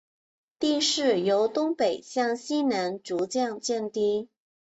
地势由东北向西南逐渐降低。